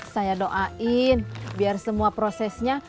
saya doain biar semua prosesnya